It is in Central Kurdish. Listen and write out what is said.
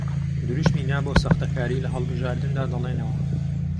دروشمی نا بۆ ساختەکاری لە هەڵبژاردندا دەڵێنەوە